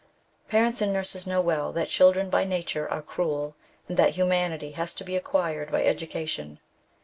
Parents and nurses know well that children by nature are cruel, and that humanity has to be acquired by education.